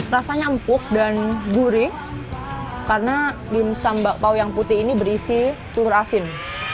rasanya empuk dan gurih karena dimsum bakpao yang putih ini berisi telur asin